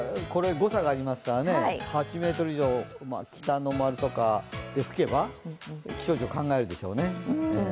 誤差がありますから８ｍ以上、北の丸とかで吹けば気象庁、考えるでしょうね。